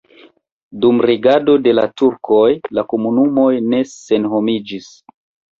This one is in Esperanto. Dum regado de la turkoj la komunumoj ne senhomiĝis.